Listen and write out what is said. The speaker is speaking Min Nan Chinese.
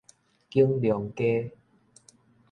景隆街